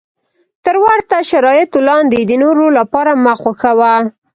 تر ورته شرایطو لاندې یې د نورو لپاره مه خوښوه.